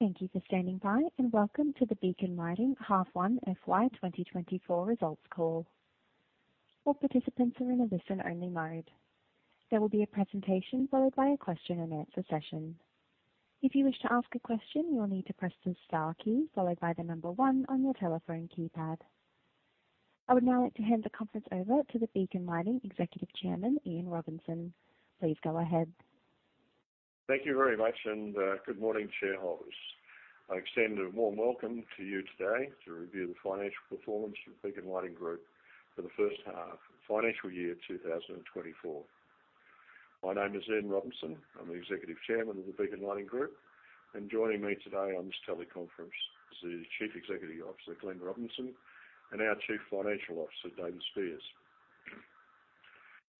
Thank you for standing by, and welcome to the Beacon Lighting Half 1 FY 2024 Results Call. All participants are in a listen-only mode. There will be a presentation followed by a question-and-answer session. If you wish to ask a question, you'll need to press the star key followed by the number one on your telephone keypad. I would now like to hand the conference over to the Beacon Lighting Executive Chairman, Ian Robinson. Please go ahead. Thank you very much, and, good morning, shareholders. I extend a warm welcome to you today to review the financial performance of Beacon Lighting Group for the first half, financial year 2024. My name is Ian Robinson. I'm the Executive Chairman of the Beacon Lighting Group, and joining me today on this teleconference is the Chief Executive Officer, Glen Robinson, and our Chief Financial Officer, David Speirs.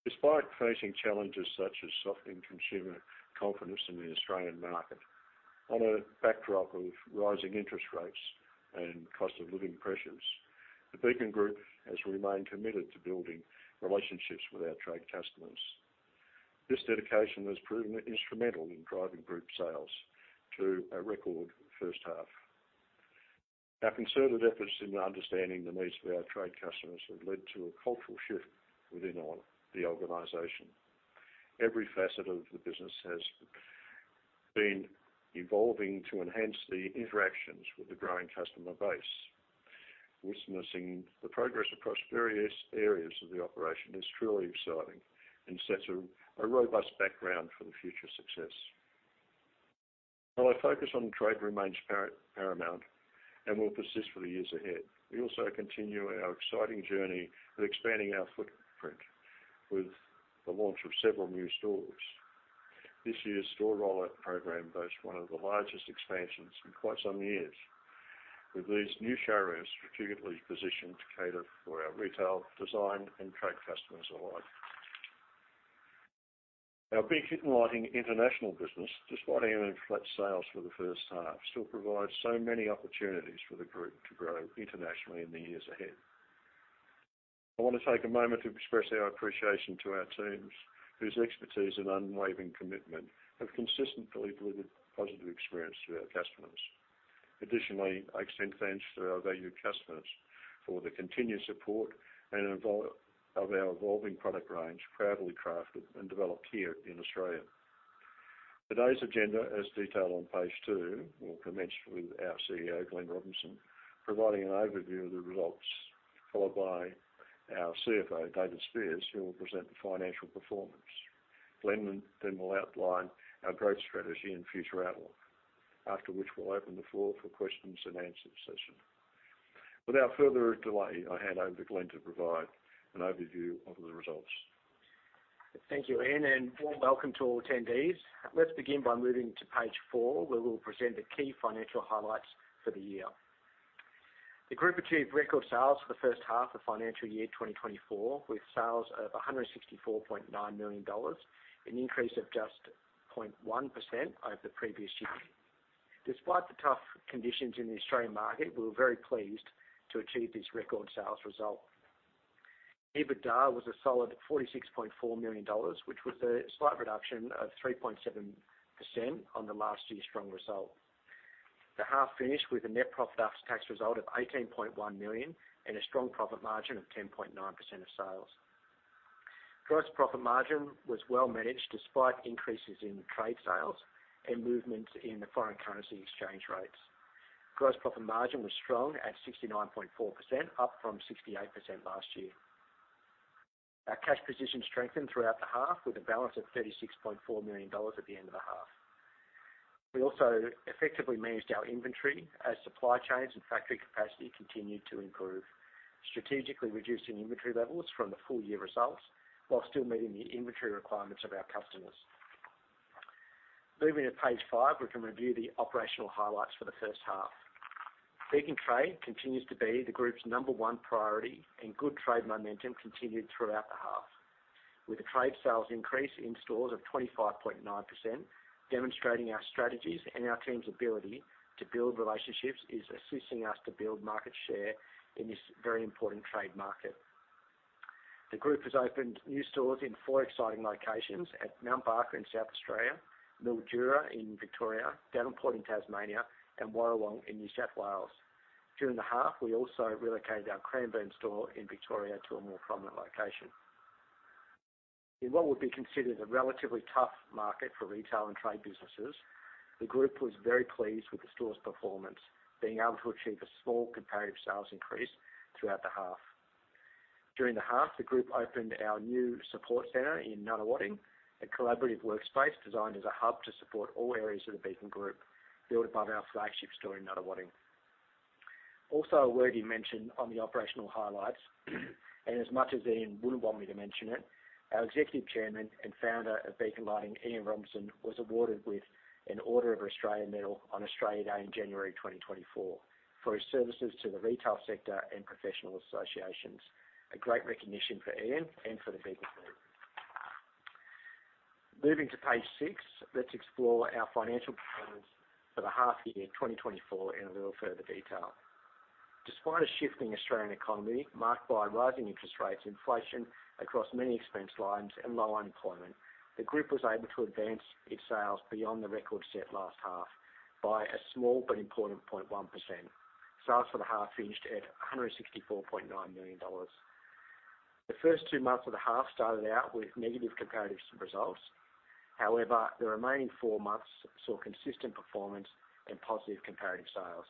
Despite facing challenges such as softening consumer confidence in the Australian market on a backdrop of rising interest rates and cost-of-living pressures, the Beacon Group has remained committed to building relationships with our trade customers. This dedication has proven instrumental in driving group sales to a record first half. Our concerted efforts in understanding the needs of our trade customers have led to a cultural shift within our organization. Every facet of the business has been evolving to enhance the interactions with the growing customer base. Witnessing the progress across various areas of the operation is truly exciting and sets a robust background for the future success. While our focus on trade remains paramount and will persist for the years ahead, we also continue our exciting journey with expanding our footprint with the launch of several new stores. This year's store rollout program boasts one of the largest expansions in quite some years, with these new showrooms strategically positioned to cater for our retail, design, and trade customers alike. Our Beacon Lighting International business, despite having flat sales for the first half, still provides so many opportunities for the group to grow internationally in the years ahead. I want to take a moment to express our appreciation to our teams, whose expertise and unwavering commitment have consistently delivered positive experience to our customers. Additionally, I extend thanks to our valued customers for the continued support and our evolving product range, proudly crafted and developed here in Australia. Today's agenda, as detailed on page two, will commence with our CEO, Glen Robinson, providing an overview of the results, followed by our CFO, David Speirs, who will present the financial performance. Glen then will outline our growth strategy and future outlook, after which we'll open the floor for question-and-answer session. Without further delay, I hand over to Glen to provide an overview of the results. Thank you, Ian, and warm welcome to all attendees. Let's begin by moving to page four, where we'll present the key financial highlights for the year. The group achieved record sales for the first half of financial year 2024, with sales of 164.9 million dollars, an increase of just 0.1% over the previous year. Despite the tough conditions in the Australian market, we were very pleased to achieve this record sales result. EBITDA was a solid 46.4 million dollars, which was a slight reduction of 3.7% on the last year's strong result. The half finished with a net profit after-tax result of 18.1 million and a strong profit margin of 10.9% of sales. Gross profit margin was well managed despite increases in trade sales and movements in the foreign currency exchange rates. Gross profit margin was strong at 69.4%, up from 68% last year. Our cash position strengthened throughout the half, with a balance of 36.4 million dollars at the end of the half. We also effectively managed our inventory as supply chains and factory capacity continued to improve, strategically reducing inventory levels from the full-year results while still meeting the inventory requirements of our customers. Moving to page five, we can review the operational highlights for the first half. Beacon Trade continues to be the group's number one priority, and good trade momentum continued throughout the half. With a trade sales increase in stores of 25.9%, demonstrating our strategies and our team's ability to build relationships is assisting us to build market share in this very important trade market. The group has opened new stores in four exciting locations at Mount Barker in South Australia, Mildura in Victoria, Devonport in Tasmania, and Warrawong in New South Wales. During the half, we also relocated our Cranbourne store in Victoria to a more prominent location. In what would be considered a relatively tough market for retail and trade businesses, the group was very pleased with the store's performance, being able to achieve a small comparative sales increase throughout the half. During the half, the group opened our new support center in Nunawading, a collaborative workspace designed as a hub to support all areas of the Beacon Group, built above our flagship store in Nunawading. Also, a worthy mention on the operational highlights, and as much as Ian wouldn't want me to mention it, our Executive Chairman and Founder of Beacon Lighting, Ian Robinson, was awarded with an Order of Australia Medal on Australia Day in January 2024 for his services to the retail sector and professional associations, a great recognition for Ian and for the Beacon Group. Moving to page six, let's explore our financial performance for the half year 2024 in a little further detail. Despite a shifting Australian economy marked by rising interest rates, inflation across many expense lines, and low unemployment, the group was able to advance its sales beyond the record set last half by a small but important 0.1%. Sales for the half finished at 164.9 million dollars. The first two months of the half started out with negative comparative results. However, the remaining four months saw consistent performance and positive comparative sales.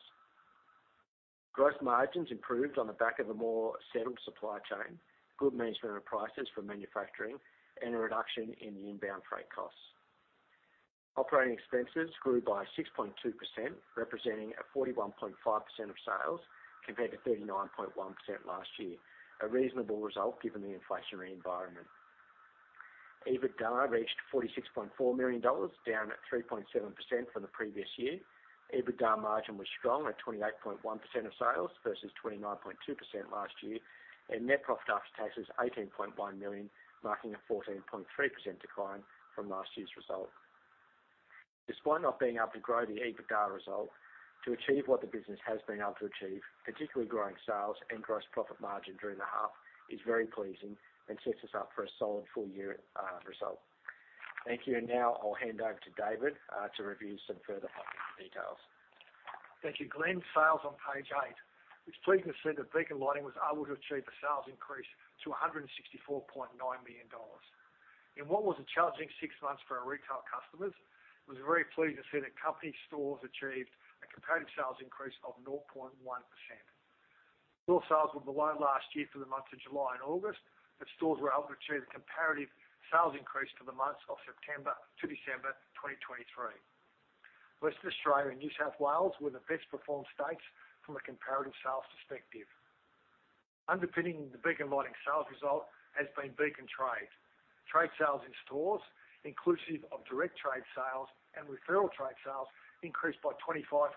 Gross margins improved on the back of a more settled supply chain, good management of prices for manufacturing, and a reduction in the inbound freight costs. Operating expenses grew by 6.2%, representing a 41.5% of sales compared to 39.1% last year, a reasonable result given the inflationary environment. EBITDA reached 46.4 million dollars, down at 3.7% from the previous year. EBITDA margin was strong at 28.1% of sales versus 29.2% last year, and net profit after-tax was 18.1 million, marking a 14.3% decline from last year's result. Despite not being able to grow the EBITDA result, to achieve what the business has been able to achieve, particularly growing sales and gross profit margin during the half, is very pleasing and sets us up for a solid full-year result. Thank you, and now I'll hand over to David to review some further funding details. Thank you, Glen. Sales on page eight, it's pleasing to see that Beacon Lighting was able to achieve a sales increase to 164.9 million dollars. In what was a challenging six months for our retail customers, it was very pleasing to see that company stores achieved a comparative sales increase of 0.1%. Store sales were below last year for the months of July and August, but stores were able to achieve a comparative sales increase for the months of September to December 2023. Western Australia and New South Wales were the best-performed states from a comparative sales perspective. Underpinning the Beacon Lighting sales result has been Beacon Trade. Trade sales in stores, inclusive of direct trade sales and referral trade sales, increased by 25.9%.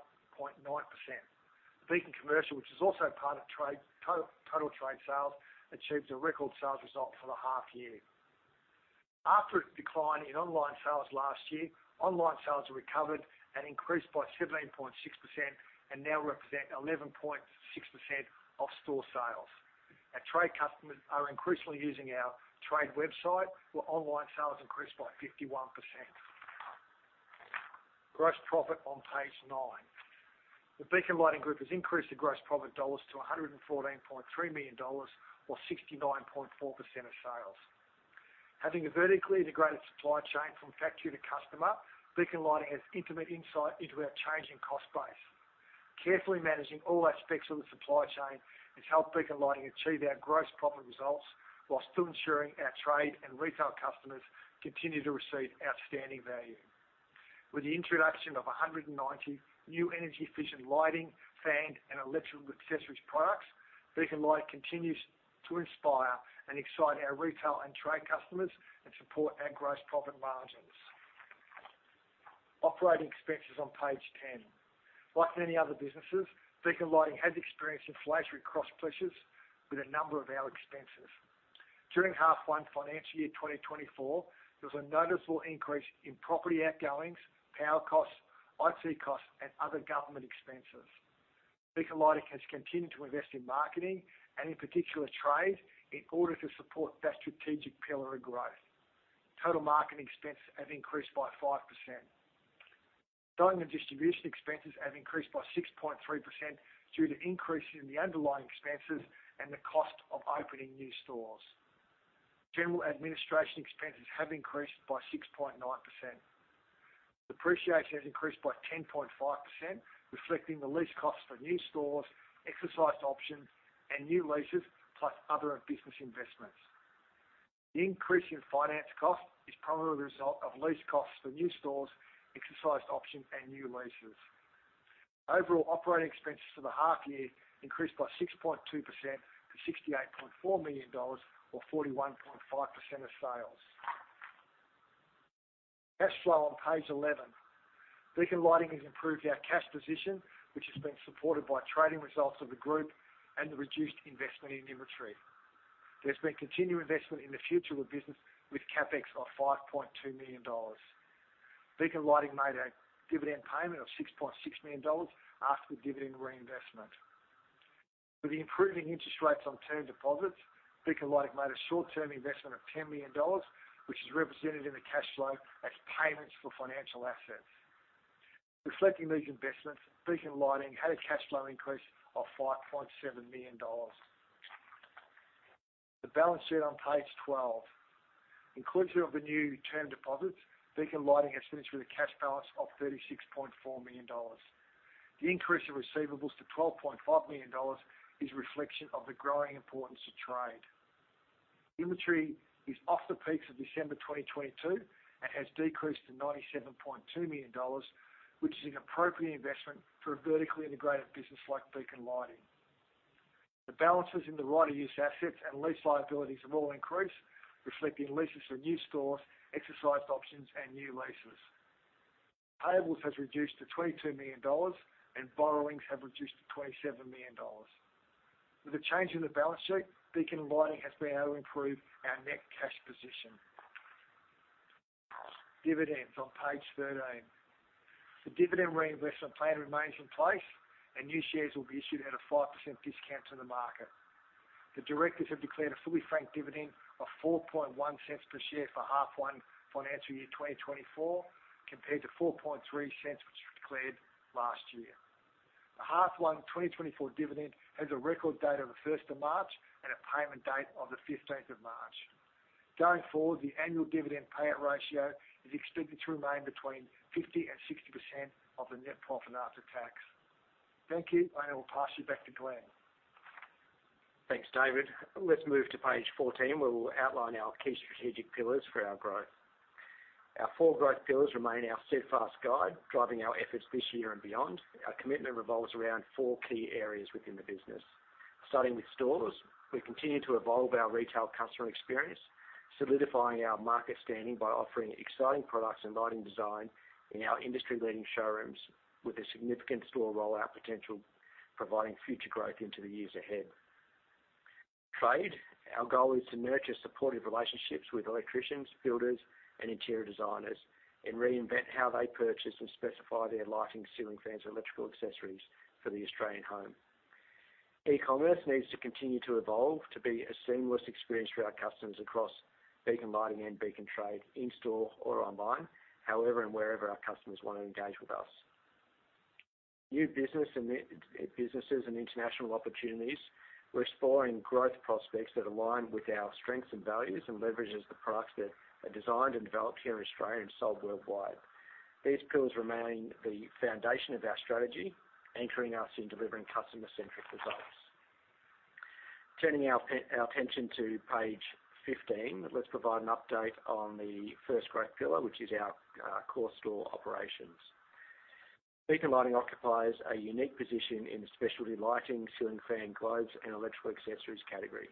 Beacon Commercial, which is also part of trade to total trade sales, achieved a record sales result for the half year. After a decline in online sales last year, online sales recovered and increased by 17.6% and now represent 11.6% of store sales. Our trade customers are increasingly using our trade website, where online sales increased by 51%. Gross profit on page nine. The Beacon Lighting Group has increased the gross profit dollars to 114.3 million dollars, or 69.4% of sales. Having a vertically integrated supply chain from factory to customer, Beacon Lighting has intimate insight into our changing cost base. Carefully managing all aspects of the supply chain has helped Beacon Lighting achieve our gross profit results while still ensuring our trade and retail customers continue to receive outstanding value. With the introduction of 190 new energy-efficient lighting, fan, and electrical accessories products, Beacon Lighting continues to inspire and excite our retail and trade customers and support our gross profit margins. Operating expenses on page 10. Like many other businesses, Beacon Lighting has experienced inflationary cost pressures with a number of our expenses. During half one financial year 2024, there was a noticeable increase in property outgoings, power costs, IT costs, and other government expenses. Beacon Lighting has continued to invest in marketing and, in particular, trade in order to support that strategic pillar of growth. Total marketing expenses have increased by 5%. Selling and distribution expenses have increased by 6.3% due to increases in the underlying expenses and the cost of opening new stores. General administration expenses have increased by 6.9%. Depreciation has increased by 10.5%, reflecting the lease costs for new stores, exercised options, and new leases plus other business investments. The increase in finance costs is primarily the result of lease costs for new stores, exercised options, and new leases. Overall operating expenses for the half year increased by 6.2% to 68.4 million dollars, or 41.5% of sales. Cash flow on page 11. Beacon Lighting has improved our cash position, which has been supported by trading results of the group and the reduced investment in inventory. There's been continued investment in the future of the business with CapEx of 5.2 million dollars. Beacon Lighting made a dividend payment of 6.6 million dollars after the dividend reinvestment. With the improving interest rates on term deposits, Beacon Lighting made a short-term investment of 10 million dollars, which is represented in the cash flow as payments for financial assets. Reflecting these investments, Beacon Lighting had a cash flow increase of 5.7 million dollars. The balance sheet on page 12. Inclusive of the new term deposits, Beacon Lighting has finished with a cash balance of 36.4 million dollars. The increase in receivables to 12.5 million dollars is a reflection of the growing importance of trade. Inventory is off the peaks of December 2022 and has decreased to 97.2 million dollars, which is an appropriate investment for a vertically integrated business like Beacon Lighting. The balances in the right-of-use assets and lease liabilities have all increased, reflecting leases for new stores, exercised options, and new leases. Payables have reduced to 22 million dollars, and borrowings have reduced to 27 million dollars. With a change in the balance sheet, Beacon Lighting has been able to improve our net cash position. Dividends on page 13. The dividend reinvestment plan remains in place, and new shares will be issued at a 5% discount to the market. The directors have declared a fully franked dividend of 0.041 per share for half one financial year 2024, compared to 0.043, which was declared last year. The half one 2024 dividend has a record date of the 1st of March and a payment date of the 15th of March. Going forward, the annual dividend payout ratio is expected to remain between 50% and 60% of the net profit after tax. Thank you, and I'll pass you back to Glen. Thanks, David. Let's move to page 14, where we'll outline our key strategic pillars for our growth. Our four growth pillars remain our steadfast guide driving our efforts this year and beyond. Our commitment revolves around four key areas within the business. Starting with stores, we continue to evolve our retail customer experience, solidifying our market standing by offering exciting products and lighting design in our industry-leading showrooms, with a significant store rollout potential providing future growth into the years ahead. Trade, our goal is to nurture supportive relationships with electricians, builders, and interior designers and reinvent how they purchase and specify their lighting, ceiling fans, and electrical accessories for the Australian home. E-commerce needs to continue to evolve to be a seamless experience for our customers across Beacon Lighting and Beacon Trade, in-store or online, however and wherever our customers want to engage with us. New businesses and international opportunities, we're exploring growth prospects that align with our strengths and values and leverage the products that are designed and developed here in Australia and sold worldwide. These pillars remain the foundation of our strategy, anchoring us in delivering customer-centric results. Turning our attention to page 15, let's provide an update on the first growth pillar, which is our core store operations. Beacon Lighting occupies a unique position in the specialty lighting, ceiling fan, globes, and electrical accessories category.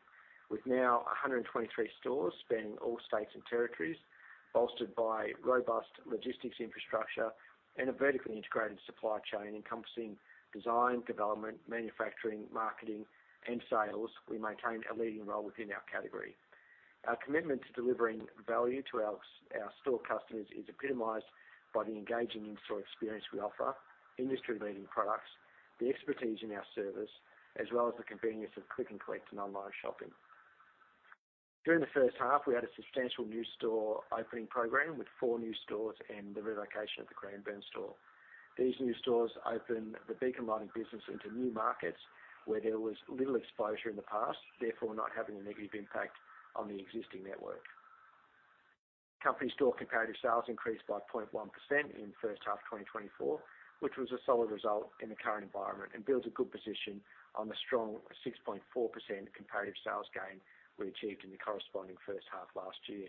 With now 123 stores spanning all states and territories, bolstered by robust logistics infrastructure and a vertically integrated supply chain encompassing design, development, manufacturing, marketing, and sales, we maintain a leading role within our category. Our commitment to delivering value to our store customers is epitomized by the engaging in-store experience we offer, industry-leading products, the expertise in our service, as well as the convenience of click-and-collect and online shopping. During the first half, we had a substantial new store opening program with four new stores and the relocation of the Cranbourne store. These new stores opened the Beacon Lighting business into new markets where there was little exposure in the past, therefore not having a negative impact on the existing network. Company store comparative sales increased by 0.1% in first half 2024, which was a solid result in the current environment and builds a good position on the strong 6.4% comparative sales gain we achieved in the corresponding first half last year.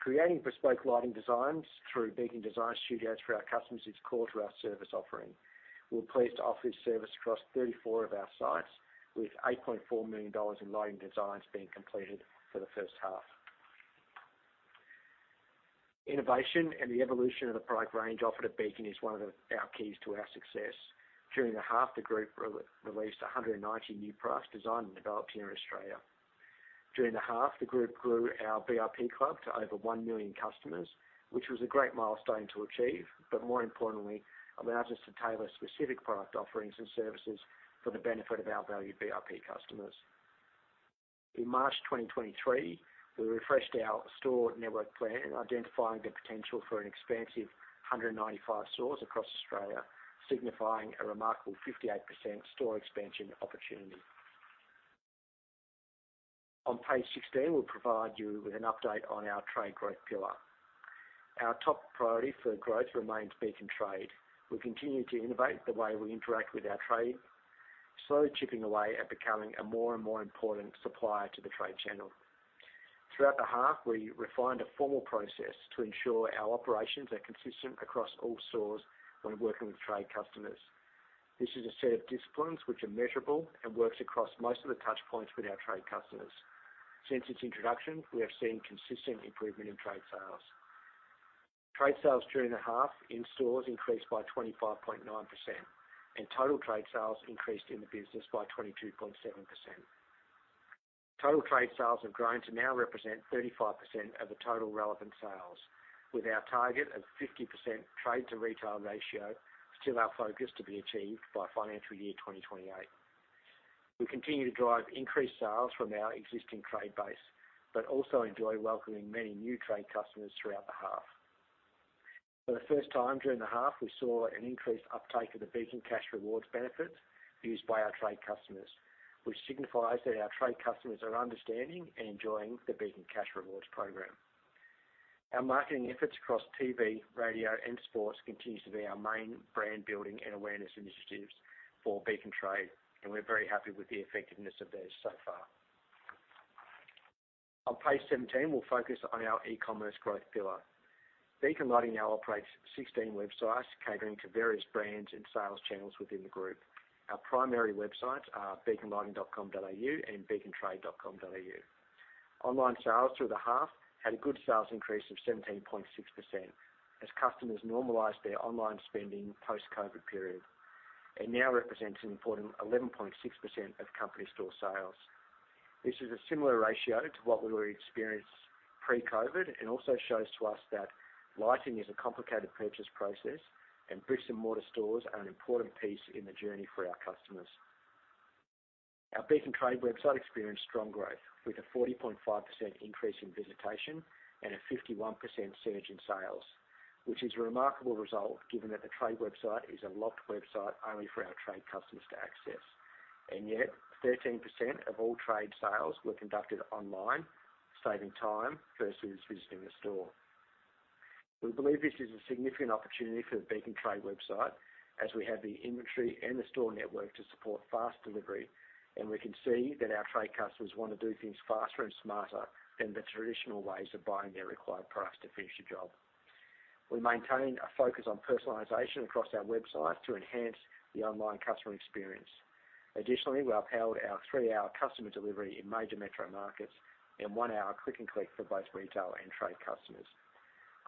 Creating bespoke lighting designs through Beacon Design Studios for our customers is core to our service offering. We're pleased to offer this service across 34 of our sites, with 8.4 million dollars in lighting designs being completed for the first half. Innovation and the evolution of the product range offered at Beacon is one of our keys to our success. During the half, the group released 190 new products designed and developed here in Australia. During the half, the group grew our VIP Club to over 1 million customers, which was a great milestone to achieve, but more importantly, allowed us to tailor specific product offerings and services for the benefit of our valued VIP customers. In March 2023, we refreshed our store network plan, identifying the potential for an expansive 195 stores across Australia, signifying a remarkable 58% store expansion opportunity. On page 16, we'll provide you with an update on our trade growth pillar. Our top priority for growth remains Beacon Trade. We continue to innovate the way we interact with our trade, slowly chipping away at becoming a more and more important supplier to the trade channel. Throughout the half, we refined a formal process to ensure our operations are consistent across all stores when working with trade customers. This is a set of disciplines which are measurable and works across most of the touchpoints with our trade customers. Since its introduction, we have seen consistent improvement in trade sales. Trade sales during the half in stores increased by 25.9%, and total trade sales increased in the business by 22.7%. Total trade sales have grown to now represent 35% of the total relevant sales, with our target of 50% trade-to-retail ratio still our focus to be achieved by financial year 2028. We continue to drive increased sales from our existing trade base but also enjoy welcoming many new trade customers throughout the half. For the first time during the half, we saw an increased uptake of the Beacon Cash Rewards benefits used by our trade customers, which signifies that our trade customers are understanding and enjoying the Beacon Cash Rewards program. Our marketing efforts across TV, radio, and sports continue to be our main brand-building and awareness initiatives for Beacon Trade, and we're very happy with the effectiveness of those so far. On page 17, we'll focus on our e-commerce growth pillar. Beacon Lighting now operates 16 websites catering to various brands and sales channels within the group. Our primary websites are beaconlighting.com.au and beacontrade.com.au. Online sales through the half had a good sales increase of 17.6% as customers normalized their online spending post-COVID period and now represents an important 11.6% of company store sales. This is a similar ratio to what we were experiencing pre-COVID and also shows to us that lighting is a complicated purchase process, and bricks-and-mortar stores are an important piece in the journey for our customers. Our Beacon Trade website experienced strong growth with a 40.5% increase in visitation and a 51% surge in sales, which is a remarkable result given that the trade website is a locked website only for our trade customers to access. Yet, 13% of all trade sales were conducted online, saving time versus visiting the store. We believe this is a significant opportunity for the Beacon Trade website as we have the inventory and the store network to support fast delivery, and we can see that our trade customers want to do things faster and smarter than the traditional ways of buying their required products to finish the job. We maintain a focus on personalization across our website to enhance the online customer experience. Additionally, we upheld our three-hour customer delivery in major metro markets and one-hour click-and-collect for both retail and trade customers.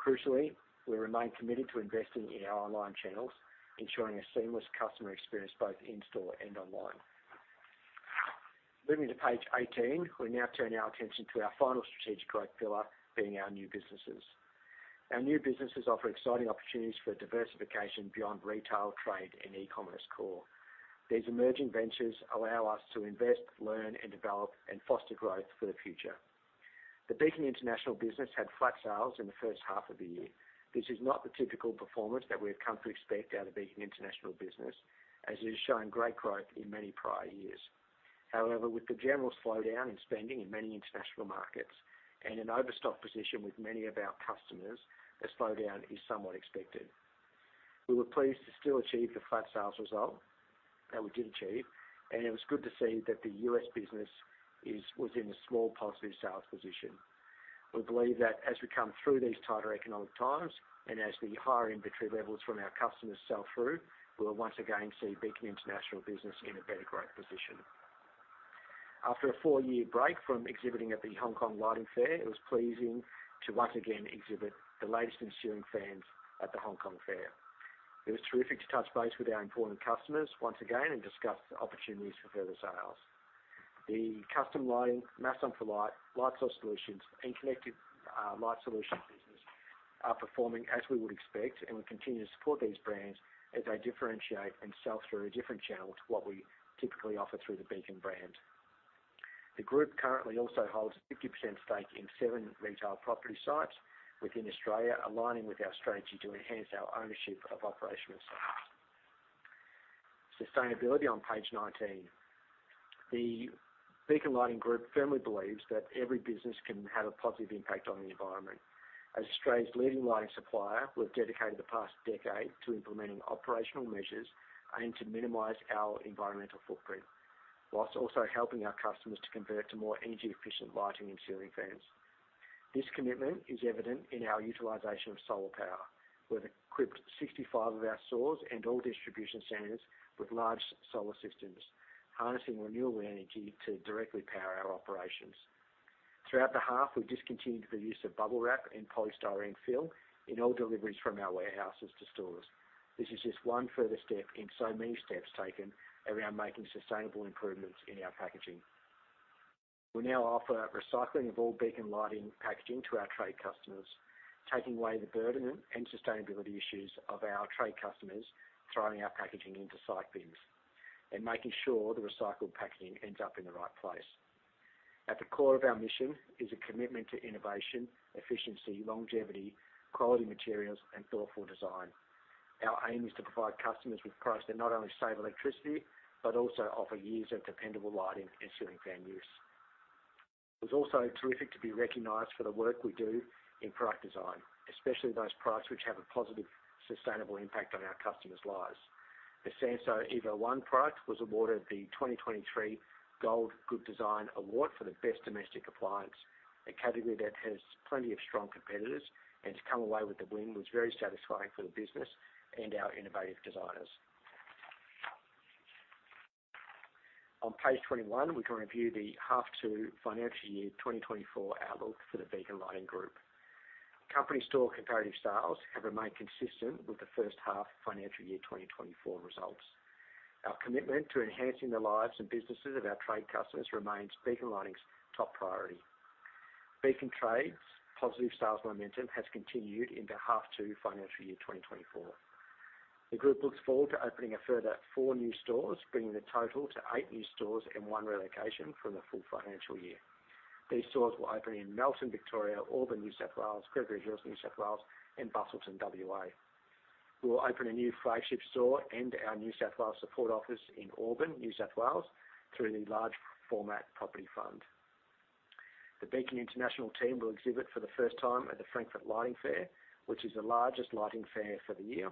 Crucially, we remain committed to investing in our online channels, ensuring a seamless customer experience both in-store and online. Moving to page 18, we now turn our attention to our final strategic growth pillar being our new businesses. Our new businesses offer exciting opportunities for diversification beyond retail, trade, and e-commerce core. These emerging ventures allow us to invest, learn, and develop, and foster growth for the future. The Beacon International business had flat sales in the first half of the year. This is not the typical performance that we have come to expect out of Beacon International business, as it has shown great growth in many prior years. However, with the general slowdown in spending in many international markets and an overstock position with many of our customers, a slowdown is somewhat expected. We were pleased to still achieve the flat sales result that we did achieve, and it was good to see that the U.S. business was in a small positive sales position. We believe that as we come through these tighter economic times and as the higher inventory levels from our customers sell through, we will once again see Beacon International business in a better growth position. After a four-year break from exhibiting at the Hong Kong Lighting Fair, it was pleasing to once again exhibit the latest ceiling fans at the Hong Kong Fair. It was terrific to touch base with our important customers once again and discuss opportunities for further sales. The Custom Lighting, Masson For Light, Light Source Solutions, and Connected Light Solutions businesses are performing as we would expect, and we continue to support these brands as they differentiate and sell through a different channel to what we typically offer through the Beacon brand. The group currently also holds a 50% stake in seven retail property sites within Australia, aligning with our strategy to enhance our ownership of operational sites. Sustainability on page 19. The Beacon Lighting Group firmly believes that every business can have a positive impact on the environment. As Australia's leading lighting supplier, we've dedicated the past decade to implementing operational measures aimed to minimize our environmental footprint while also helping our customers to convert to more energy-efficient lighting and ceiling fans. This commitment is evident in our utilization of solar power. We've equipped 65 of our stores and all distribution centers with large solar systems, harnessing renewable energy to directly power our operations. Throughout the half, we've discontinued the use of bubble wrap and polystyrene fill in all deliveries from our warehouses to stores. This is just one further step in so many steps taken around making sustainable improvements in our packaging. We now offer recycling of all Beacon Lighting packaging to our trade customers, taking away the burden and sustainability issues of our trade customers throwing our packaging into recycle bins and making sure the recycled packaging ends up in the right place. At the core of our mission is a commitment to innovation, efficiency, longevity, quality materials, and thoughtful design. Our aim is to provide customers with products that not only save electricity but also offer years of dependable lighting and ceiling fan use. It was also terrific to be recognized for the work we do in product design, especially those products which have a positive, sustainable impact on our customers' lives. The Senso Evo 1 product was awarded the 2023 Gold Good Design Award for the best domestic appliance, a category that has plenty of strong competitors, and to come away with the win was very satisfying for the business and our innovative designers. On page 21, we can review the half two financial year 2024 outlook for the Beacon Lighting Group. Company store comparative sales have remained consistent with the first half financial year 2024 results. Our commitment to enhancing the lives and businesses of our trade customers remains Beacon Lighting's top priority. Beacon Trade's positive sales momentum has continued into half two financial year 2024. The group looks forward to opening a further four new stores, bringing the total to eight new stores and one relocation from the full financial year. These stores will open in Melton, Victoria, Auburn, New South Wales, Gregory Hills, New South Wales, and Busselton, WA. We will open a new flagship store and our New South Wales support office in Auburn, New South Wales, through the Large Format Property Fund. The Beacon International team will exhibit for the first time at the Frankfurt Lighting Fair, which is the largest lighting fair for the year.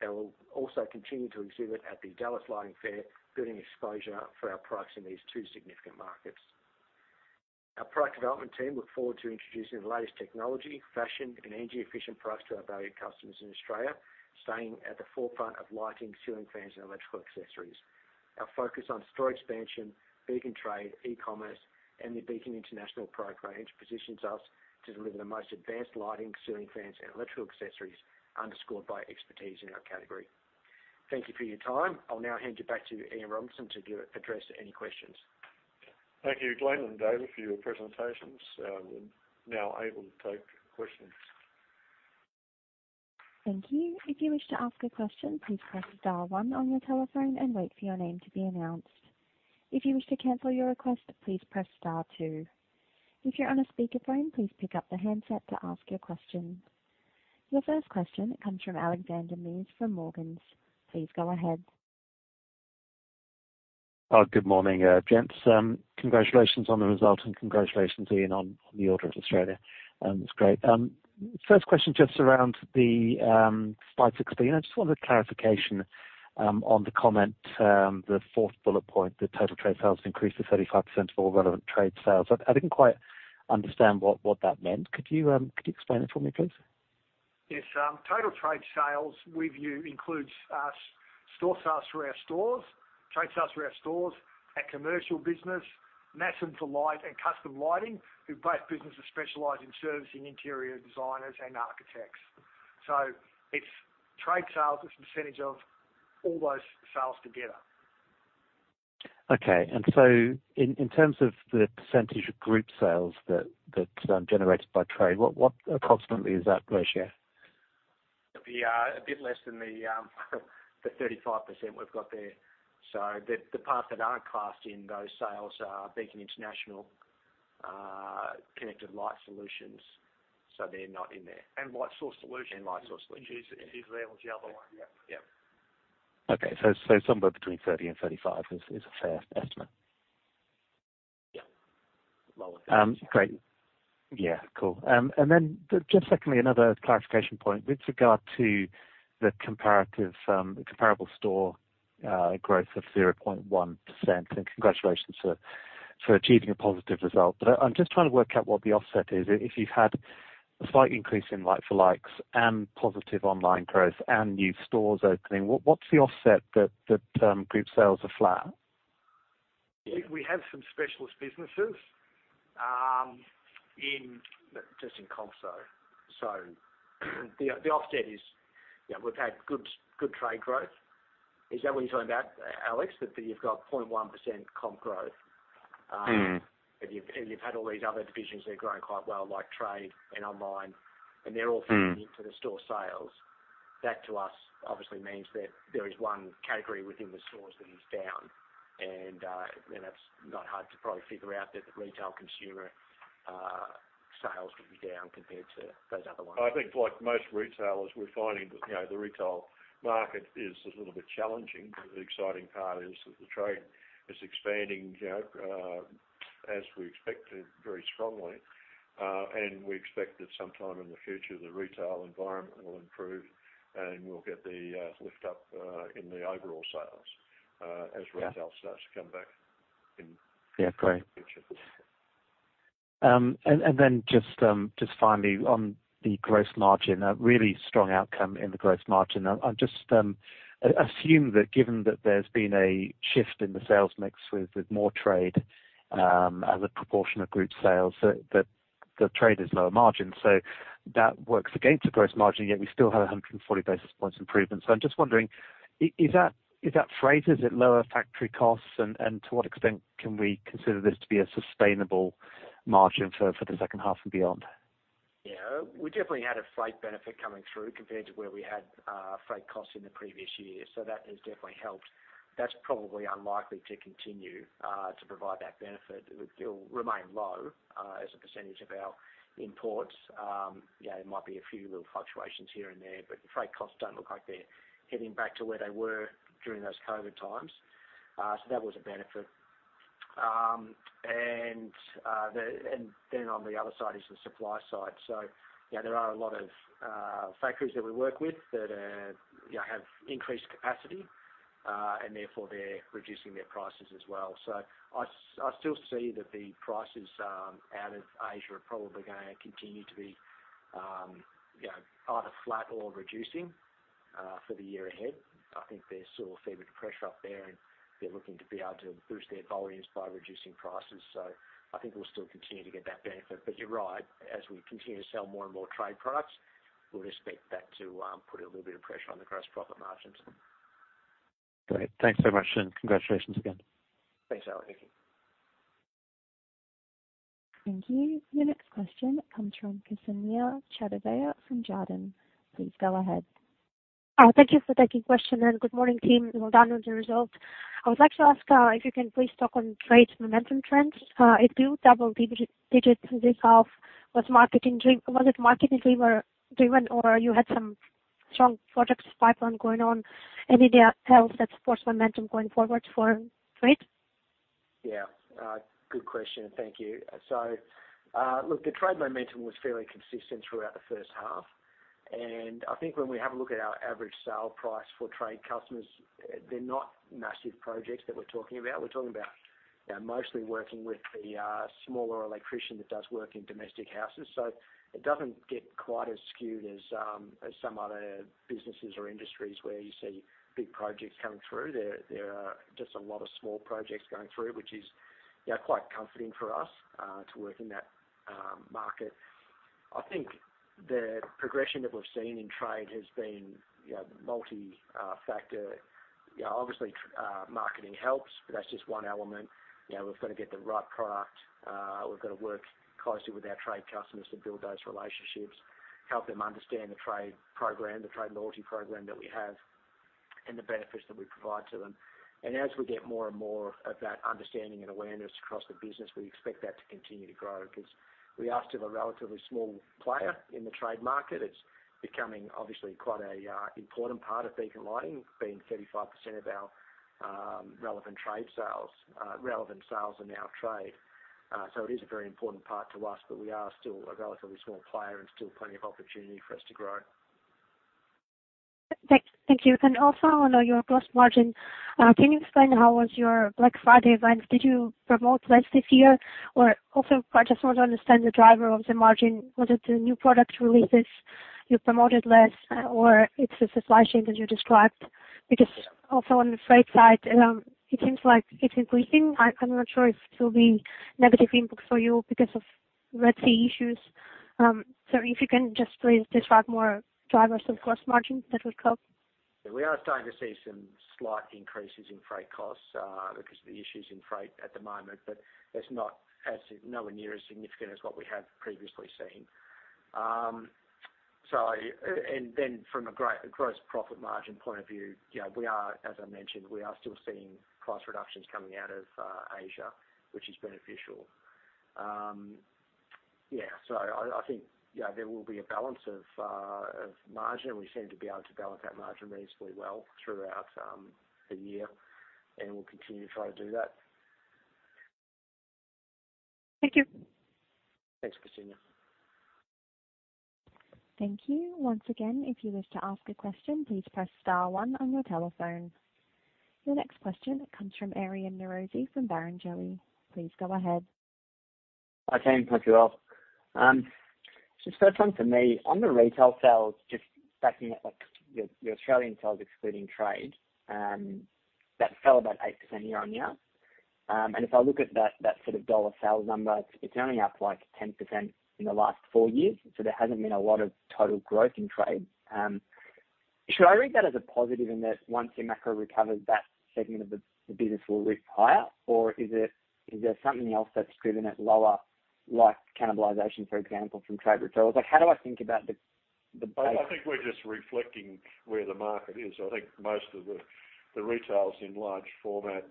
They will also continue to exhibit at the Dallas Lighting Fair, building exposure for our products in these two significant markets. Our product development team looks forward to introducing the latest technology, fashion, and energy-efficient products to our valued customers in Australia, staying at the forefront of lighting, ceiling fans, and electrical accessories. Our focus on store expansion, Beacon Trade, e-commerce, and the Beacon International product range positions us to deliver the most advanced lighting, ceiling fans, and electrical accessories underscored by expertise in our category. Thank you for your time. I'll now hand you back to Ian Robinson to address any questions. Thank you, Glen and David, for your presentations. I'm now able to take questions. Thank you. If you wish to ask a question, please press star one on your telephone and wait for your name to be announced. If you wish to cancel your request, please press star two. If you're on a speakerphone, please pick up the handset to ask your question. Your first question comes from Alexander Mees from Morgans. Please go ahead. Oh, good morning, gents. Congratulations on the result, and congratulations, Ian, on the Order of Australia. It's great. First question just around the slide 16. I just wanted a clarification on the comment, the fourth bullet point, the total trade sales increased to 35% of all relevant trade sales. I didn't quite understand what that meant. Could you explain it for me, please? Yes, total trade sales revenue includes same-store sales through our stores, trade sales through our stores, a commercial business, Masson for Light, and Custom Lighting, which both businesses specialize in servicing interior designers and architects. So it's trade sales as a percentage of all those sales together. Okay. And so in terms of the percentage of group sales that generated by trade, what approximately is that ratio? It'll be a bit less than the 35% we've got there. So the parts that aren't classed in those sales are Beacon International, Connected Light Solutions, so they're not in there. And Light Source Solutions. Which is level to the other one. Yep. Yep. Okay. So somewhere between 30 and 35 is a fair estimate. Yep. Lower than. Great. Yeah. Cool. And then, just secondly, another clarification point with regard to the comparative, the comparable store growth of 0.1%. And congratulations for achieving a positive result. But I'm just trying to work out what the offset is. If you've had a slight increase in like-for-likes for and positive online growth and new stores opening, what's the offset that group sales are flat? Yeah. We have some specialist businesses in just comps though. So the offset is, yeah, we've had good trade growth. Is that what you're talking about, Alex, that you've got 0.1% comps growth? And you've had all these other divisions that are growing quite well like trade and online, and they're all feeding into the store sales. That to us obviously means that there is one category within the stores that is down, and that's not hard to probably figure out that the retail consumer sales could be down compared to those other ones. I think like most retailers, we're finding that, you know, the retail market is a little bit challenging, but the exciting part is that the trade is expanding, you know, as we expected, very strongly. We expect that sometime in the future, the retail environment will improve, and we'll get the lift up in the overall sales, as retail starts to come back in the future. Yeah. Great. And then just finally on the gross margin, a really strong outcome in the gross margin. I'm just assuming that given that there's been a shift in the sales mix with more trade as a proportion of group sales, that the trade is lower margin. So that works against the gross margin, yet we still have 140 basis points improvement. So I'm just wondering, is that freight? Is it lower factory costs, and to what extent can we consider this to be a sustainable margin for the second half and beyond? Yeah, we definitely had a freight benefit coming through compared to where we had freight costs in the previous year, so that has definitely helped. That's probably unlikely to continue to provide that benefit. It would still remain low, as a percentage of our imports. Yeah, there might be a few little fluctuations here and there, but the freight costs don't look like they're heading back to where they were during those COVID times. So that was a benefit. And then on the other side is the supply side. So, you know, there are a lot of factories that we work with that are, you know, have increased capacity, and therefore they're reducing their prices as well. So I, I still see that the prices out of Asia are probably going to continue to be, you know, either flat or reducing, for the year ahead. I think they're still a little fierce pressure up there, and they're looking to be able to boost their volumes by reducing prices. So I think we'll still continue to get that benefit. But you're right. As we continue to sell more and more trade products, we'll expect that to put a little bit of pressure on the gross profit margins. Great. Thanks so much, and congratulations again. Thanks, Alex. Thank you. Thank you. Your next question comes from Kseniya Chadeyeva from Jarden. Please go ahead. Thank you for taking the question, and good morning, team. Well done with the result. I would like to ask, if you can please talk on trade momentum trends. It built double digits this half. Was marketing-driven was it marketing-driven or you had some strong product pipeline going on? Anything else that supports momentum going forward for trade? Yeah. Good question, and thank you. So, look, the trade momentum was fairly consistent throughout the first half. And I think when we have a look at our average sale price for trade customers, they're not massive projects that we're talking about. We're talking about, you know, mostly working with the smaller electrician that does work in domestic houses. So it doesn't get quite as skewed as some other businesses or industries where you see big projects coming through. There are just a lot of small projects going through, which is, you know, quite comforting for us to work in that market. I think the progression that we've seen in trade has been, you know, multi-factor. You know, obviously, trade marketing helps, but that's just one element. You know, we've got to get the right product. We've got to work closely with our trade customers to build those relationships, help them understand the trade program, the trade loyalty program that we have, and the benefits that we provide to them. And as we get more and more of that understanding and awareness across the business, we expect that to continue to grow because we are still a relatively small player in the trade market. It's becoming, obviously, quite a, important part of Beacon Lighting, being 35% of our, relevant trade sales, relevant sales in our trade. So it is a very important part to us, but we are still a relatively small player and still plenty of opportunity for us to grow. Thank you. And also on your gross margin, can you explain how was your Black Friday event? Did you promote less this year? Or also I just want to understand the driver of the margin. Was it the new product releases you promoted less, or it's the supply chain that you described? Because also on the freight side, it seems like it's increasing. I'm not sure if it'll be negative inputs for you because of Red Sea issues. So if you can just please describe more drivers of gross margin, that would help. Yeah. We are starting to see some slight increases in freight costs, because of the issues in freight at the moment, but it's nowhere near as significant as what we have previously seen. So, and then from a gross profit margin point of view, you know, we are, as I mentioned, still seeing price reductions coming out of Asia, which is beneficial. Yeah. So I think, you know, there will be a balance of margin, and we seem to be able to balance that margin reasonably well throughout the year, and we'll continue to try to do that. Thank you. Thanks, Kseniya. Thank you. Once again, if you wish to ask a question, please press star one on your telephone. Your next question comes from Aryan Norozi from Barrenjoey. Please go ahead. Hi, team. Thank you all. Just first one for me. On the retail sales, just backing up, like, your Australian sales excluding trade, that fell about 8% year-on-year. And if I look at that, that sort of dollar sales number, it's only up like 10% in the last four years, so there hasn't been a lot of total growth in trade. Should I read that as a positive in that once your macro recovers, that segment of the business will rip higher, or is there something else that's driven it lower, like cannibalization, for example, from trade returns? Like, how do I think about the both? I think we're just reflecting where the market is. I think most of the retailers in large format,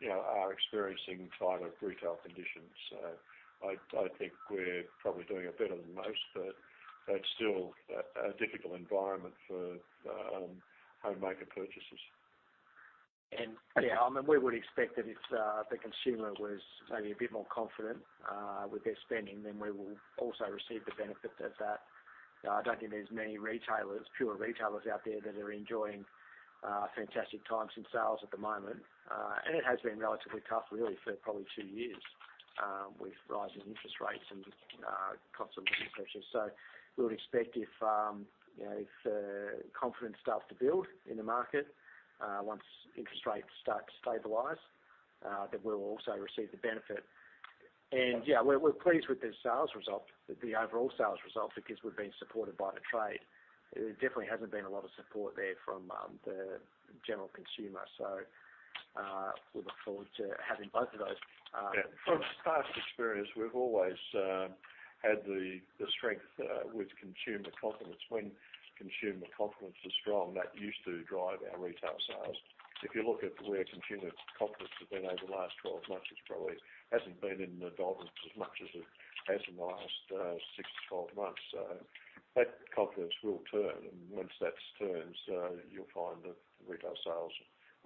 you know, are experiencing tighter retail conditions. So I think we're probably doing it better than most, but that's still a difficult environment for homemaker purchases. Yeah, I mean, we would expect that if the consumer was maybe a bit more confident with their spending, then we will also receive the benefit of that. You know, I don't think there's many retailers, pure retailers out there that are enjoying fantastic times in sales at the moment. It has been relatively tough, really, for probably two years, with rising interest rates and constant living pressures. So we would expect, you know, if the confidence starts to build in the market once interest rates start to stabilize, that we'll also receive the benefit. Yeah, we're pleased with the sales result, the overall sales result, because we've been supported by the trade. There definitely hasn't been a lot of support there from the general consumer, so we look forward to having both of those. Yeah. From past experience, we've always had the strength with consumer confidence. When consumer confidence is strong, that used to drive our retail sales. If you look at where consumer confidence has been over the last 12 months, it's probably hasn't been in the doldrums as much as it has in the last six to 12 months. So that confidence will turn, and once that turns, you'll find that retail sales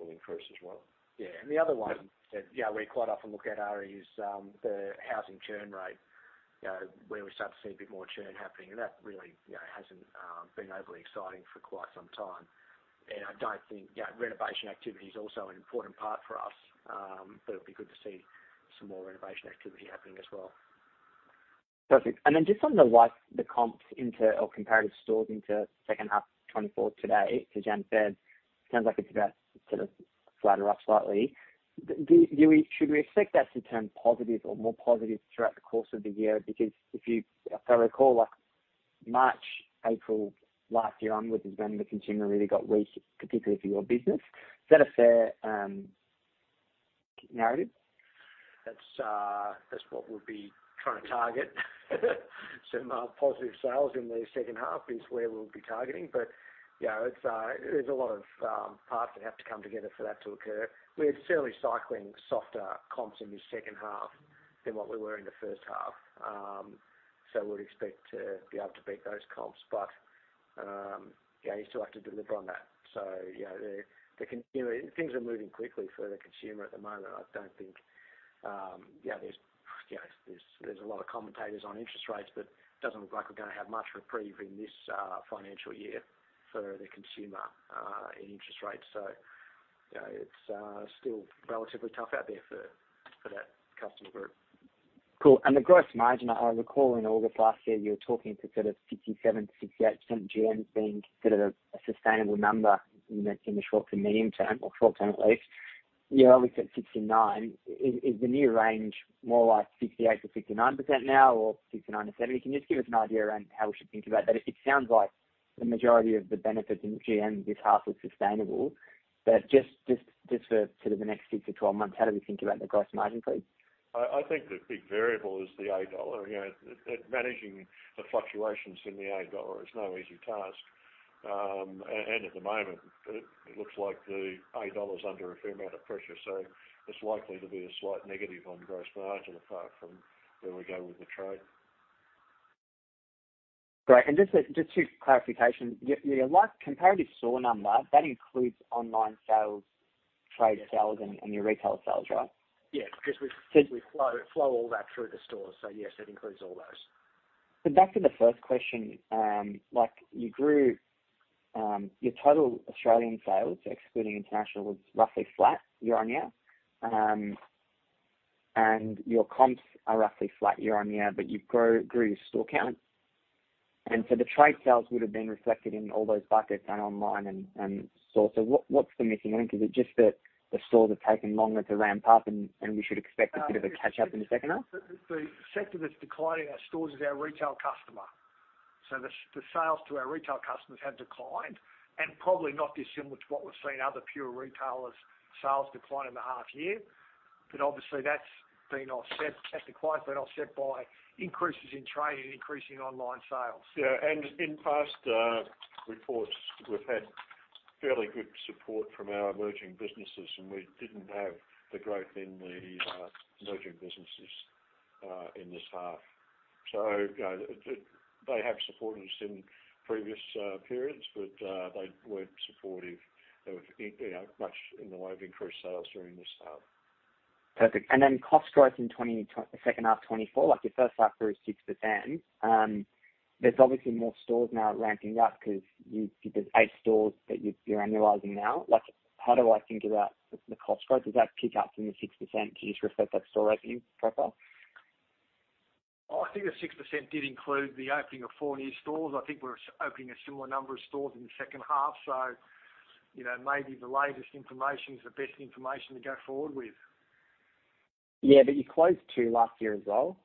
will increase as well. Yeah. And the other one that, yeah, we quite often look at, Ari, is the housing churn rate, you know, where we start to see a bit more churn happening. And that really, you know, hasn't been overly exciting for quite some time. And I don't think, yeah, renovation activity is also an important part for us, but it'd be good to see some more renovation activity happening as well. Perfect. Then just on the like the comps into, or comparative stores into second half 2024 to date, to what Ian said, sounds like it's about sort of flat or up slightly. Should we expect that to turn positive or more positive throughout the course of the year? Because if I recall, like, March, April last year onwards is when the consumer really got weak, particularly for your business. Is that a fair narrative? That's what we'll be trying to target. Some positive sales in the second half is where we'll be targeting, but, you know, it's, there's a lot of parts that have to come together for that to occur. We're certainly cycling softer comps in this second half than what we were in the first half. So we'd expect to be able to beat those comps, but, yeah, you still have to deliver on that. So, yeah, the consumer things are moving quickly for the consumer at the moment. I don't think, yeah, there's, you know, there's a lot of commentators on interest rates, but it doesn't look like we're going to have much reprieve in this financial year for the consumer, in interest rates. So, you know, it's still relatively tough out there for that customer group. Cool. And the gross margin, I recall in August last year, you were talking to sort of 67%-68%, GM's being considered a sustainable number in the short to medium term or short term at least. You're always at 69%. Is the new range more like 68%-69% now or 69%-70%? Can you just give us an idea around how we should think about that? It sounds like the majority of the benefits in GM this half is sustainable, but just for sort of the next six to 12 months, how do we think about the gross margin, please? I think the big variable is the $A. You know, that managing the fluctuations in the AUD is no easy task. And at the moment, it looks like the $A is under a fair amount of pressure, so it's likely to be a slight negative on gross margin apart from where we go with the trade. Great. Just two clarifications. Your like-for-like comparative store number, that includes online sales, trade sales, and your retail sales, right? Yes. Because we flow all that through the stores, so yes, it includes all those. So back to the first question, like, you grew your total Australian sales, excluding international, was roughly flat year-on-year. And your comps are roughly flat year-on-year, but you've grew your store count. And so the trade sales would have been reflected in all those buckets and online and stores. So what, what's the missing element? Is it just that the stores have taken longer to ramp up and we should expect a bit of a catch-up in the second half? The sector that's declining our stores is our retail customer. So the sales to our retail customers have declined and probably not dissimilar to what we've seen other pure retailers sales decline in the half year. But obviously, that's been offset that decline's been offset by increases in trade and increasing online sales. Yeah. And in past reports, we've had fairly good support from our emerging businesses, and we didn't have the growth in the emerging businesses in this half. So, you know, they have supported us in previous periods, but they weren't supportive of, you know, much in the way of increased sales during this half. Perfect. And then cost growth in second half 2024, like, your first half grew 6%. There's obviously more stores now ramping up because there's 8 stores that you're annualizing now. Like, how do I think about the cost growth? Does that pick up from the 6% to just reflect that store opening profile? Well, I think the 6% did include the opening of four new stores. I think we're opening a similar number of stores in the second half, so, you know, maybe the latest information's the best information to go forward with. Yeah. But you closed two last year as well,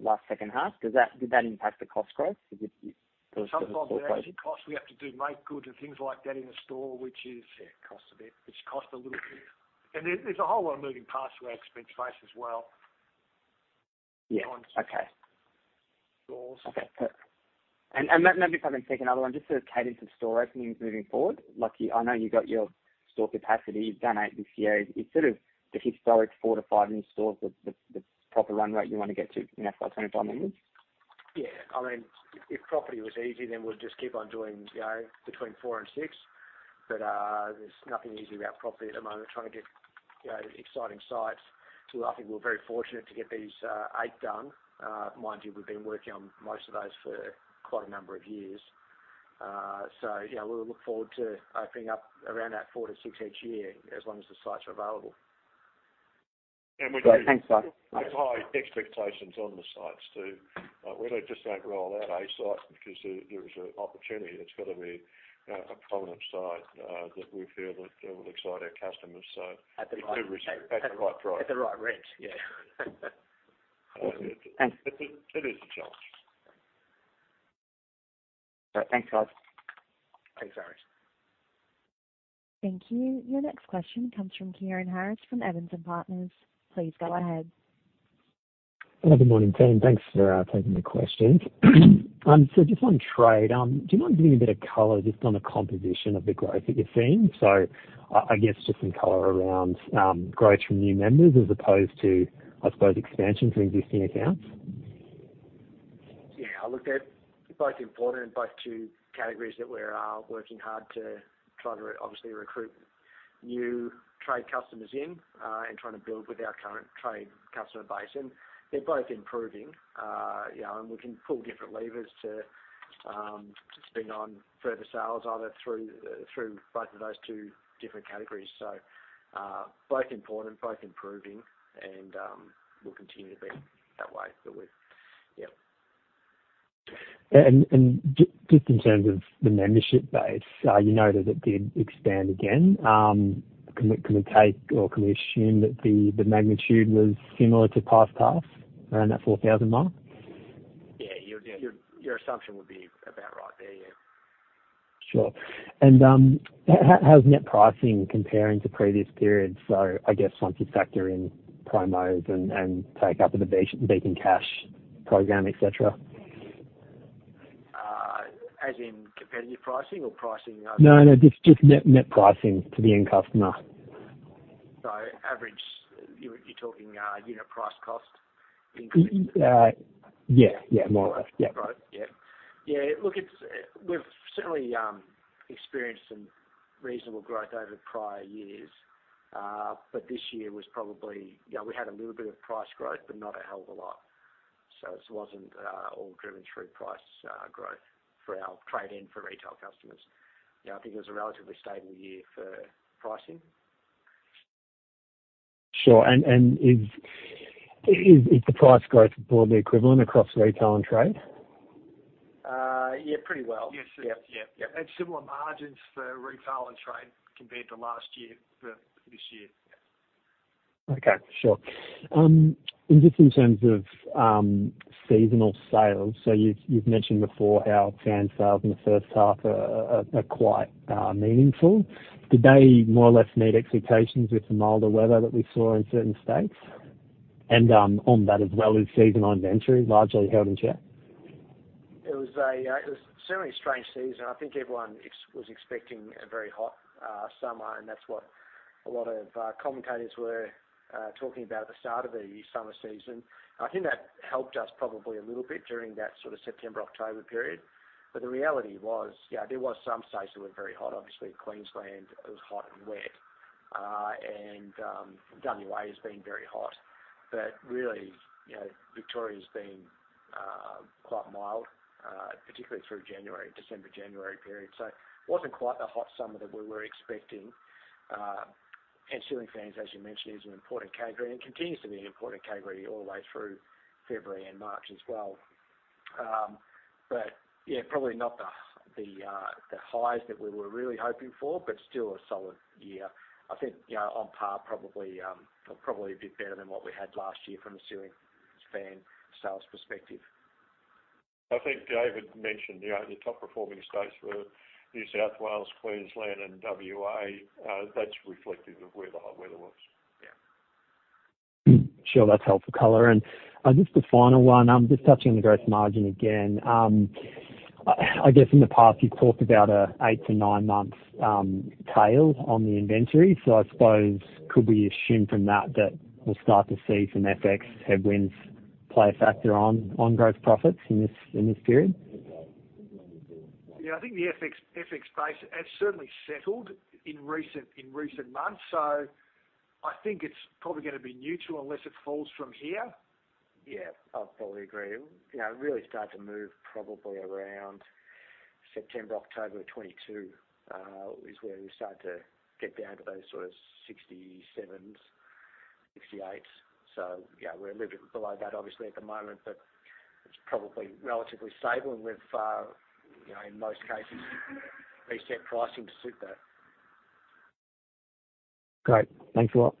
last second half. Does that impact the cost growth? Because it, there was sort of a store closure. Some of the latest cost we have to do make good and things like that in a store, which is, yeah, it costs a bit, which costs a little bit. There's a whole lot of moving parts to our expense base as well. Yeah. Okay. Beyond stores. Okay. Perfect. And maybe if I can take another one, just sort of cadence of store openings moving forward. Like, you know you got your store capacity. You've done eight this year. Is sort of the historic four to five new stores the proper run rate you want to get to in FY 2025 members? Yeah. I mean, if property was easy, then we'd just keep on doing, you know, between four and six. But, there's nothing easy about property at the moment, trying to get, you know, exciting sites. We're I think we're very fortunate to get these 8 done. Mind you, we've been working on most of those for quite a number of years. So, yeah, we'll look forward to opening up around that four and six each year as long as the sites are available. We do. Great. Thanks, sir. We've high expectations on the sites too. We don't just roll out a site because there is an opportunity. It's got to be, you know, a prominent site, that we feel will excite our customers, so. At the right. We could receive at the right price. At the right rent. Yeah. It is the challenge. Great. Thanks, sir. Thanks, Aryan. Thank you. Your next question comes from Kieran Harris from Evans & Partners. Please go ahead. Hello. Good morning, team. Thanks for taking the question. So just on trade, do you mind giving a bit of color just on the composition of the growth that you're seeing? So I, I guess just some color around growth from new members as opposed to, I suppose, expansion from existing accounts. Yeah. I looked at both important and both two categories that we're working hard to try to obviously recruit new trade customers in, and trying to build with our current trade customer base. And they're both improving, you know, and we can pull different levers to just bring on further sales either through both of those two different categories. So, both important, both improving, and we'll continue to be that way, but we've yeah. And just in terms of the membership base, you noted it did expand again. Can we take or can we assume that the magnitude was similar to past half around that 4,000 mark? Yeah. Your assumption would be about right there. Yeah. Sure. And, how's net pricing comparing to previous periods? So I guess once you factor in promos and take up of the Beacon Cash program, etc. as in competitive pricing or pricing over? No, no. Just, just net, net pricing to the end customer. So, average, you're talking unit price cost increase? Yeah. Yeah. More or less. Yeah. Right. Yeah. Yeah. Look, it's we've certainly experienced some reasonable growth over prior years, but this year was probably, you know, we had a little bit of price growth, but not a hell of a lot. So it wasn't all driven through price growth for our trade and for retail customers. You know, I think it was a relatively stable year for pricing. Sure. And is the price growth broadly equivalent across retail and trade? Yeah, pretty well. Yes. Yep. Yeah. Yeah. Similar margins for retail and trade compared to last year, but this year. Yeah. Okay. Sure. And just in terms of seasonal sales, so you've mentioned before how fan sales in the first half are quite meaningful. Did they more or less meet expectations with the milder weather that we saw in certain states? And on that, as well as seasonal inventory largely held in check? It was certainly a strange season. I think everyone was expecting a very hot summer, and that's what a lot of commentators were talking about at the start of the summer season. I think that helped us probably a little bit during that sort of September, October period. But the reality was, yeah, there was some states that were very hot. Obviously, Queensland was hot and wet, and WA has been very hot. But really, you know, Victoria's been quite mild, particularly through December, January period. So it wasn't quite the hot summer that we were expecting. Ceiling fans, as you mentioned, is an important category and continues to be an important category all the way through February and March as well. Yeah, probably not the highs that we were really hoping for, but still a solid year. I think, you know, on par probably, or probably a bit better than what we had last year from a ceiling fan sales perspective. I think David mentioned, you know, your top performing states were New South Wales, Queensland, and WA. That's reflective of where the hot weather was. Yeah. Sure. That's helpful color. And just the final one, just touching on the gross margin again. I, I guess in the past, you've talked about an eight to nine months tail on the inventory. So I suppose could we assume from that that we'll start to see some FX headwinds play a factor on, on gross profits in this in this period? Yeah. I think the FX base has certainly settled in recent months, so I think it's probably going to be neutral unless it falls from here. Yeah. I'll probably agree. You know, it really started to move probably around September, October of 2022, is where we started to get down to those sort of 67s, 68s. So, yeah, we're a little bit below that, obviously, at the moment, but it's probably relatively stable, and we've, you know, in most cases, reset pricing to suit that. Great. Thanks a lot.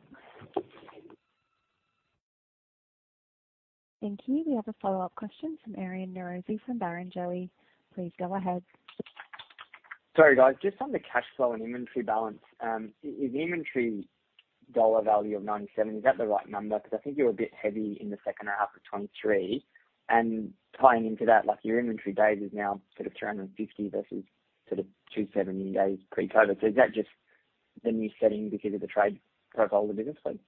Thank you. We have a follow-up question from Aryan Norozi from Barrenjoey. Please go ahead. Sorry, guys. Just on the cash flow and inventory balance, is inventory dollar value of 97, is that the right number? Because I think you were a bit heavy in the second half of 2023. And tying into that, like, your inventory days is now sort of 350 versus sort of 270 days pre-COVID. So is that just the new setting because of the trade profile of the business, please?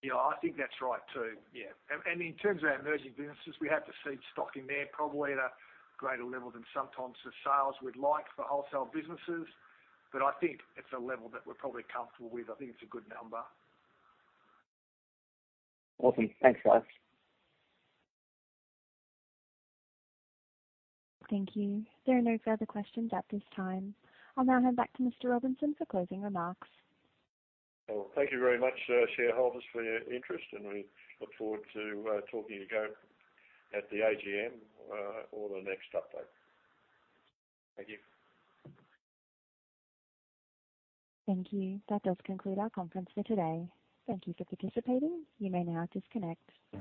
Yeah. I think that's right too. Yeah. And in terms of our emerging businesses, we have to seed stock in there probably at a greater level than sometimes the sales we'd like for wholesale businesses, but I think it's a level that we're probably comfortable with. I think it's a good number. Awesome. Thanks, guys. Thank you. There are no further questions at this time. I'll now hand back to Mr. Robinson for closing remarks. Well, thank you very much, shareholders, for your interest, and we look forward to talking to you again at the AGM, or the next update. Thank you. Thank you. That does conclude our conference for today. Thank you for participating. You may now disconnect.